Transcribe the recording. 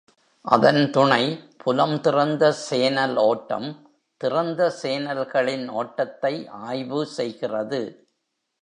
அதன் துணை புலம் திறந்த சேனல் ஓட்டம் திறந்த சேனல்களில் ஓட்டத்தை ஆய்வு செய்கிறது.